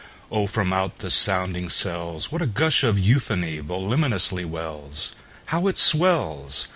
Oh, from out the sounding cells, What a gush of euphony voluminously wells! How it swells!